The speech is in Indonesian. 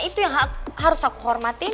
itu yang harus aku hormati